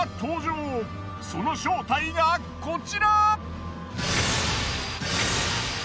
その正体がこちら！